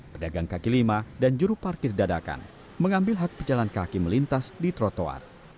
pedagang kaki lima dan juru parkir dadakan mengambil hak pejalan kaki melintas di trotoar